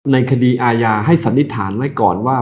ในคดีอาญาให้สันนิษฐานไว้ก่อนว่า